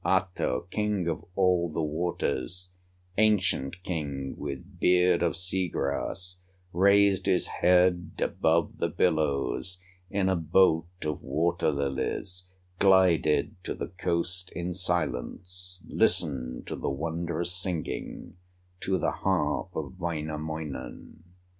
Ahto, king of all the waters, Ancient king with beard of sea grass, Raised his head above the billows, In a boat of water lilies, Glided to the coast in silence, Listened to the wondrous singing, To the harp of Wainamoinen.